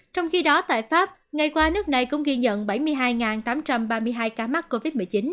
trong khi đó tại pháp ngày qua nước này cũng ghi nhận bảy mươi hai tám trăm ba mươi hai ca mắc covid một mươi chín